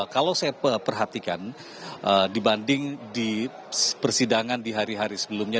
kalau saya perhatikan dibanding di persidangan di hari hari sebelumnya